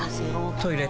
トイレ